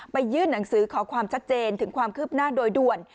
ยื่นหนังสือขอความชัดเจนถึงความคืบหน้าโดยด่วน